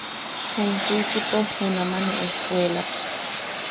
Jum Suichipo junama ne ejkuelak.